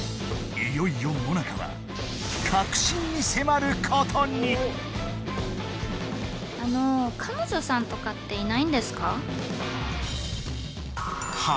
いよいよもなかはことに「あの彼女さんとかっていないんですか？」